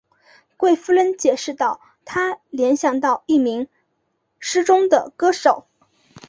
贵夫人解释道她联想到一名失踪的歌手。